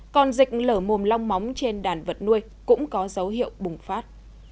còn dịch lở mồm long móng trên đàn vật nuôi cũng có dấu hiệu bùng phát